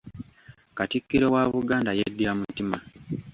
Katikkiro wa Buganda yeddira mutima.